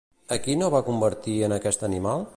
A qui no va convertir en aquest animal?